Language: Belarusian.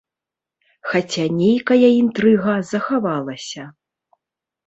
Хаця нейкая інтрыга захавалася.